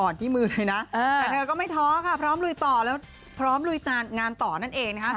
ที่มือเลยนะแต่เธอก็ไม่ท้อค่ะพร้อมลุยต่อแล้วพร้อมลุยงานต่อนั่นเองนะคะ